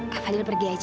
kak fadil pergi aja